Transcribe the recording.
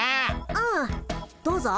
うんどうぞ。